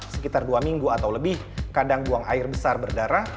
sekitar dua minggu atau lebih kadang buang air besar berdarah